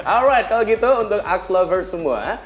alright kalau gitu untuk axelover semua